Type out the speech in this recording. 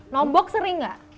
nombok sering gak